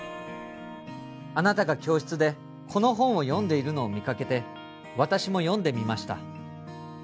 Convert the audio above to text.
あなたが教室でこの本を読んでいるのを見かけて私も読んでみました